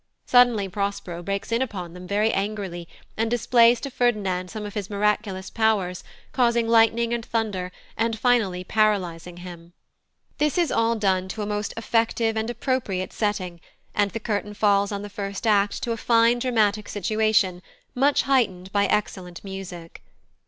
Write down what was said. Suddenly Prospero breaks in upon them very angrily, and displays to Ferdinand some of his miraculous powers, causing lightning and thunder, and finally paralysing him. This is all done to a most effective and appropriate setting, and the curtain falls on the first act to a fine dramatic situation, much heightened by excellent music.